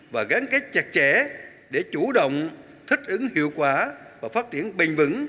và gắn kết chặt chẽ để chủ động thích ứng hiệu quả và phát triển bình vững